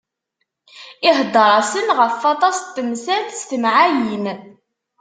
Iheddeṛ-asen ɣef waṭas n temsal s temɛayin.